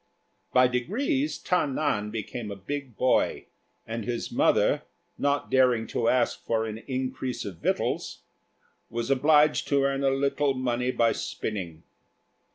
By degrees Ta nan became a big boy; and his mother, not daring to ask for an increase of victuals, was obliged to earn a little money by spinning.